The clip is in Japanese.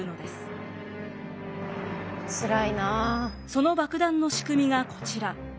その爆弾の仕組みがこちら。